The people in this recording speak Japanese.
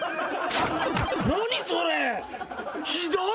何それ。